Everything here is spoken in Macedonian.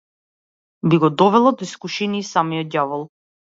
Би го довела до искушение и самиот ѓавол.